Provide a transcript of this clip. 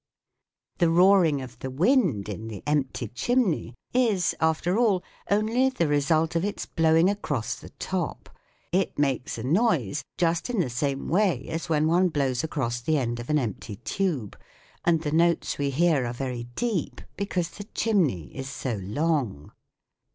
The roaring of the wind in the empty chimney is, after all, only the result of its blowing across the top ; it makes a noise just in the same way as when one blows across the end of an empty tube, and the notes we hear are very deep because the chimney is so long.